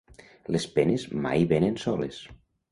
Les penes mai venen soles.